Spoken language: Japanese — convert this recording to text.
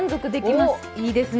お、いいですね。